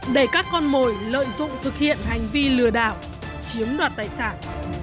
để các con mồi lợi dụng thực hiện hành vi lừa đảo chiếm đoạt tài sản